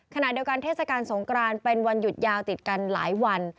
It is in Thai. ขณะเดียวกันเทศกาลสงกรานเป็นวันหยุดยาวติดกันหลายวัน